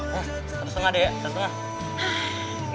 satu setengah deh ya satu setengah